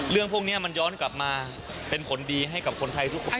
เรื่องพวกนี้มันย้อนกลับมาเป็นผลดีให้กับคนไทยทุกคน